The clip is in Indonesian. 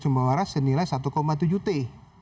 sumber baris senilai satu tujuh juta